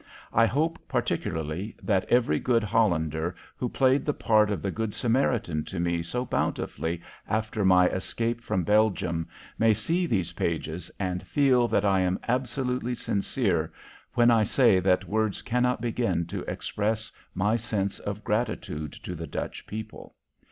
I hope particularly that every good Hollander who played the part of the Good Samaritan to me so bountifully after my escape from Belgium will see these pages and feel that I am absolutely sincere when I say that words cannot begin to express my sense of gratitude to the Dutch people.